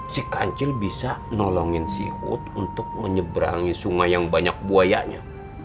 si kancil bisa nolongin seafood untuk menyeberangi sungai yang banyak buayanya